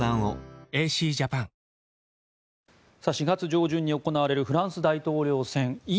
４月上旬に行われるフランス大統領選。